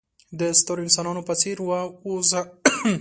د سترو انسانانو په څېر وه اوسه!